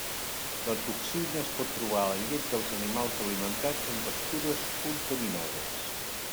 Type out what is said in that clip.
La toxina es pot trobar a la llet dels animals alimentats amb pastures contaminades.